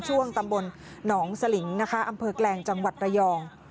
ช่วงตำบลหนองสลิงนะคะอำเภอแกลงจังหวัดระยอง